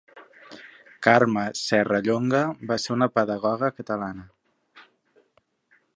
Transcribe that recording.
Carme Serrallonga va ser una pedagoga catalana.